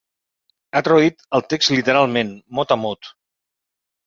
Ha traduït el text literalment, mot a mot.